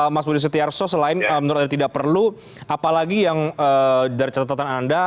mas budi setiarso selain menurut anda tidak perlu apalagi yang dari catatan anda